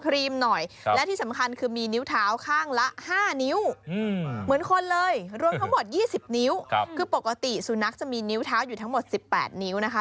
รวมทั้งหมด๒๐นิ้วคือปกติสุนัขจะมีนิ้วเท้าอยู่ทั้งหมด๑๘นิ้วนะคะ